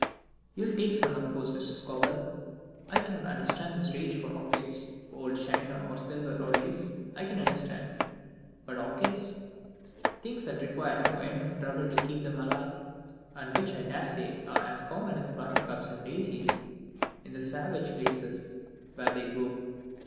"You'll take some, of course, Mr. Scobel. I cannot understand this rage for orchids old china, or silver, or lace, I can understand, but orchids things that require no end of trouble to keep them alive, and which I daresay are as common as buttercups and daisies in the savage places where they grow.